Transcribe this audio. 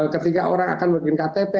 ketika orang akan bikin ktp